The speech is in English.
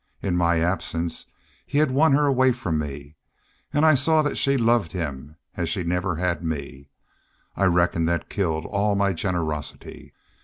In my absence he had won her away from me. An' I saw that she loved him as she never had me. I reckon that killed all my generosity.